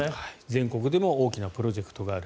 全国でも大きなプロジェクトがある。